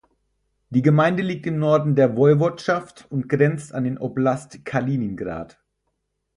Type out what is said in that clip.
Die Gemeinde liegt im Norden der Woiwodschaft und grenzt an den Oblast Kaliningrad.